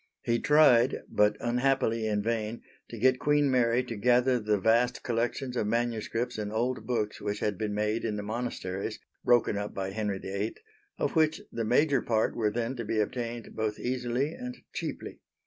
He tried but unhappily in vain to get Queen Mary to gather the vast collections of manuscripts and old books which had been made in the Monasteries (broken up by Henry VIII) of which the major part were then to be obtained both easily and cheaply.